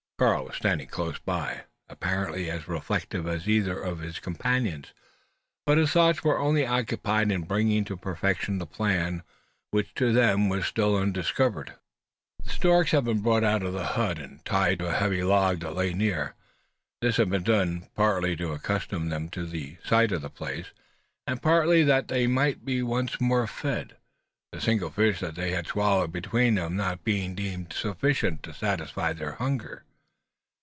Karl was standing close by, apparently as reflective as either of his companions. But his thoughts were only occupied in bringing to perfection the plan, which to them was still undiscovered. The storks had been brought out of the hut, and tied to a heavy log that lay near. This had been done, partly to accustom them to the sight of the place, and partly that they might be once more fed the single fish they had swallowed between them not being deemed sufficient to satisfy their hunger.